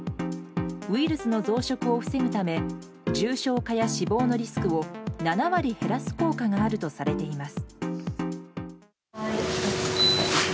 ウイルスの増殖を防ぐため重症化や死亡のリスクを７割減らす効果があるとされています。